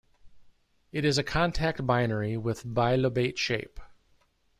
It is a contact binary with bilobate shape.